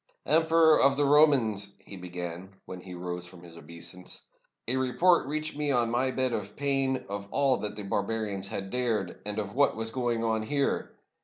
"Emperor of the Romans," he began, when he rose from his obeisance, "a report reached me on my bed of pain of all that the barbarians had dared, and of what was going on here.